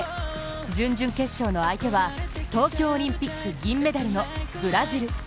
準々決勝の相手は東京オリンピック銀メダルのブラジル。